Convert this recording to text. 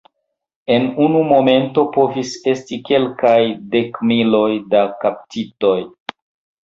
En unu momento povis esti kelkaj dekmiloj da kaptitoj.